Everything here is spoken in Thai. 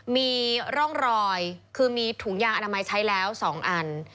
มีร่องรอยคือมีถุงยางอนามัยใช้แล้ว๒อัน